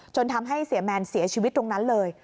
ทำให้เสียแมนเสียชีวิตตรงนั้นเลย